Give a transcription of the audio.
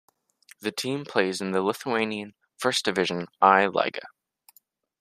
The team plays in the Lithuanian first division I Lyga.